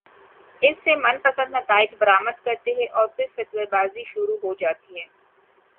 اس سے من پسندنتائج برآمد کرتے اورپھر فتوی بازی شروع ہو جاتی ہے۔